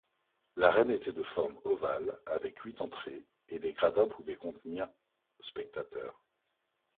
L'arène était de forme ovale, avec huit entrées, et les gradins pouvaient contenir spectateurs.